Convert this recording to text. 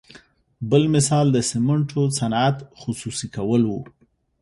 بل مثال د سمنټو صنعت خصوصي کول وو.